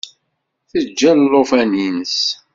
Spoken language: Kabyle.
Teǧǧa llufan-ines.